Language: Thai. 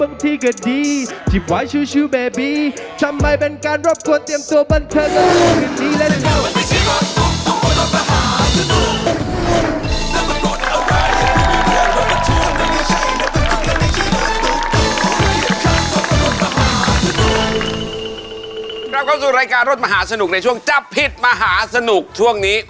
กลับเข้าสู่รายการรถมหาสนุกในช่วงจับผิดมหาสนุกช่วงนี้